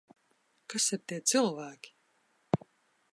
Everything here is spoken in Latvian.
Kas ir tie cilvēki?